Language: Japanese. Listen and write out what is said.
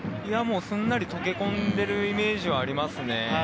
すんなり溶け込んでいるイメージはありますね。